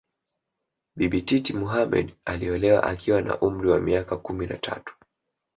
Bibi Titi Mohammed aliolewa akiwa na umri wa miaka kumi na tatu